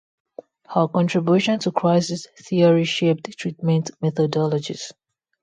Her contribution to crisis theory shaped treatment methodologies.